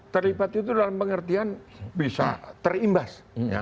terlibat itu dalam pengertian bisa terimbas